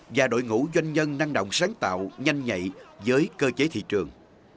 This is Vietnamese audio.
và đội ngũ doanh nhân năng động sáng tạo nhanh nhạy với cơ chế thị trường